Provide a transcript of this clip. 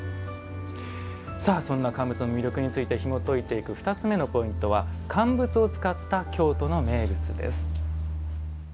そんな乾物の魅力についてひもといていく２つ目のポイントは「乾物を使った京都の名物」